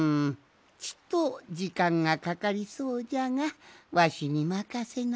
ちとじかんがかかりそうじゃがわしにまかせなさい。